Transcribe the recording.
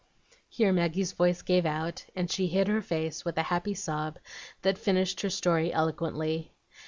Here Maggie's voice gave out, and she hid her face, with a happy sob, that finished her story eloquently.